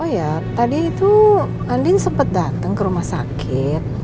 oh iya tadi itu andin sempet dateng ke rumah sakit